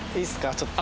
ちょっと。